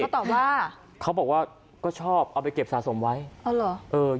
ตอบว่าเขาบอกว่าก็ชอบเอาไปเก็บสะสมไว้อ๋อเหรอเออ